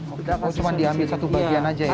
oh cuma diambil satu bagian aja ya